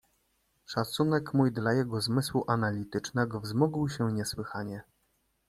"Szacunek mój dla jego zmysłu analitycznego wzmógł się niesłychanie."